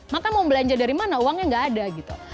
maka mau belanja dari mana uangnya nggak ada gitu